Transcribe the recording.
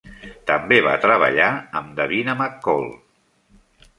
També va treballar amb Davina McCall.